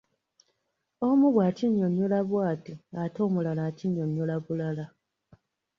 Omu bw’akinnyonnyola bw’ati ate omulala akinnyonnyola bulala.